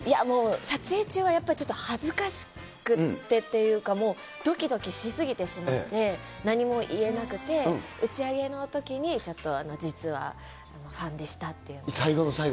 もう、撮影中は、やっぱりちょっと恥ずかしくってッていうか、もうどきどきし過ぎてしまって、何も言えなくて、打ち上げのときに、ちょっと、実はファンでしたっていうのを。